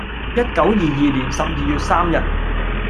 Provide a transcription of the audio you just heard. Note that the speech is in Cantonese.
一九二二年十二月三日，